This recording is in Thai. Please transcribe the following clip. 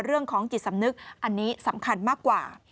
เรื่องของจิตสำนึกอันนี้สำคัญมากกว่า